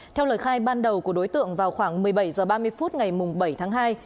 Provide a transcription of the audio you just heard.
theo lời khai ban đầu của đối tượng vào khoảng một mươi bảy h ba mươi phút ngày bảy tháng hai